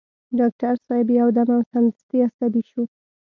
ډاکټر صاحب يو دم او سمدستي عصبي شو.